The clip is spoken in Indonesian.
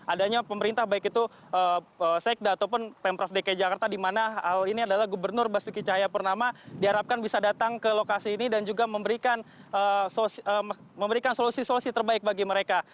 adanya pemerintah baik itu sekda ataupun pemprov dki jakarta di mana ini adalah gubernur basuki cahaya purnama diharapkan bisa datang ke lokasi ini dan juga memberikan solusi solusi terbaik bagi mereka